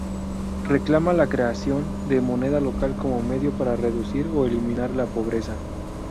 Reclama la creación de moneda local como medio para reducir o eliminar la pobreza.